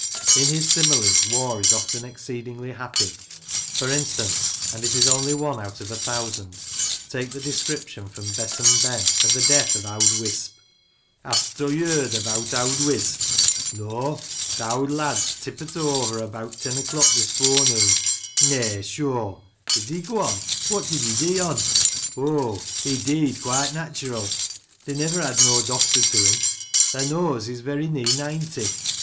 In his similes Waugh is often exceedingly happy: for instance, and it is only one out of a thousand, take the description, firom "Besom Ben," of the death of "Owd Wisp." ." Hasto yerd abeawt owd Wisp ?"« Nawe." "Th' owd lad type't o'er, abeawt ten o'clock this fore noon." Edwin Waugh^ 39 " Nay, sure 1 Is he gwon ?"... What did he dee on?" " Oh, he dee'd quite natural ; they never had no doctor to him. Thae knows, he's very nee ninety.